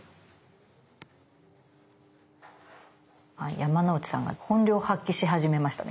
山之内さんが本領発揮し始めましたね。